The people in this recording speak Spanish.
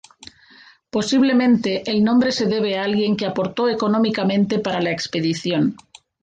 Posiblemente el nombre se debe a alguien que aportó económicamente para la expedición.